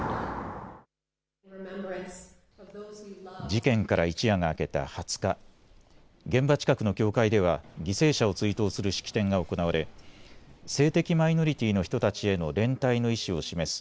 事件から一夜が明けた２０日、現場近くの教会では犠牲者を追悼する式典が行われ性的マイノリティーの人たちへの連帯の意思を示す